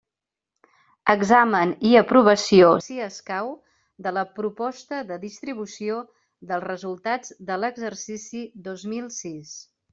Examen i aprovació, si escau, de la proposta de distribució dels resultats de l'exercici dos mil sis.